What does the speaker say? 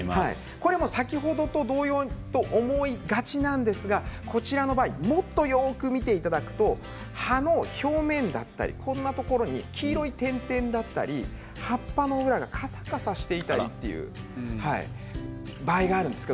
先ほどと同様と思いがちなんですがこちらの場合もっとよく見ていただくと葉の表面だったり黄色い点々があったり葉っぱの裏がカサカサしていたりそんな場合があるんです。